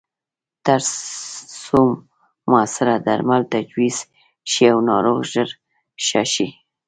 ترڅو موثره درمل تجویز شي او ناروغ ژر ښه شي.